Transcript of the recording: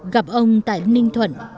gặp ông tại ninh thuận